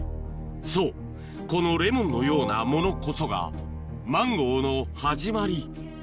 そうこのレモンのようなものこそがマンゴーの始まり